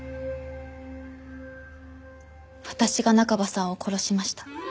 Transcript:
私が中葉さんを殺しました。